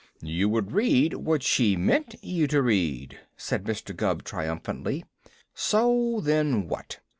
"You would read what she meant you to read," said Mr. Gubb triumphantly. "So, then what?